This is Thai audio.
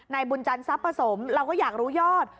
บุญจันทรัพย์ผสมเราก็อยากรู้ยอด